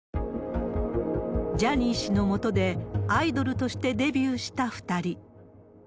ジャニー氏の下で、アイドルとしてデビューした２人。